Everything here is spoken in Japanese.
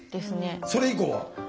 それ以降は？